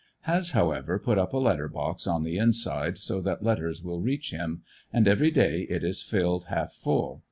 Has, however, put up a letter box on the inside so ti^at letters will reach him, and ever}' day it is filled half full.